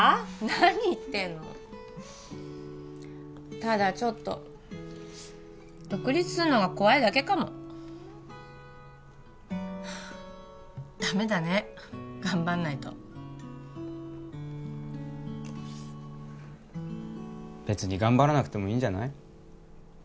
何言ってんのただちょっと独立するのが怖いだけかもダメだね頑張んないと別に頑張らなくてもいいんじゃない？